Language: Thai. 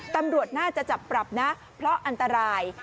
ตำรวจน่าจะจับปรับนะเพราะอันตราย